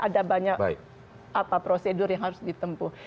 karena diakses ada banyak prosedur yang harus ditempuh